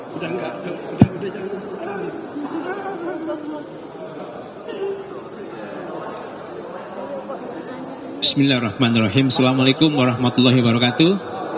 bismillahirrahmanirrahim assalamualaikum warahmatullahi wabarakatuh